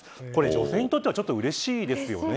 女性にとってはちょっとうれしいですよね。